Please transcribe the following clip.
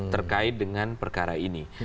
terkait dengan perkara ini